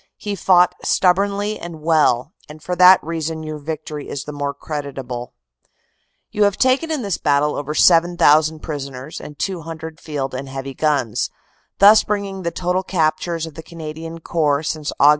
He fought stubbornly and well, and for that reason your victory is the more creditable. "You have taken in this battle over 7,000 prisoners and 200 Field and Heavy guns, thus bringing the total captures of the Canadian Corps since Aug.